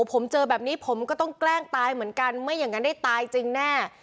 ผมเจอแบบนี้ผมก็ต้องแกล้งตายเหมือนกันไม่อย่างนั้นได้ตายจริงแน่